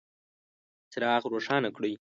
څراغ روښانه کړئ